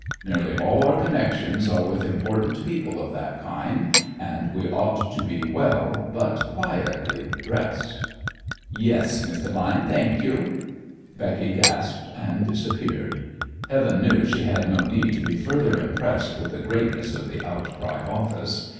Nearly all our connections are with important people of that kind, and we ought to be well, but quietly, dressed." "Yes, Miss Devine. Thank you," Becky gasped and disappeared. Heaven knew she had no need to be further impressed with the greatness of "The Outcry" office.